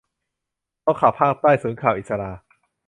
โต๊ะข่าวภาคใต้ ศูนย์ข่าวอิศรา